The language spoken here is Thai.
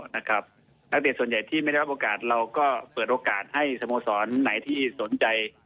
นักเตะส่วนใหญ่ที่ไม่ได้รับโอกาสเราก็เปิดโอกาสให้สโมสรไหนที่สนใจ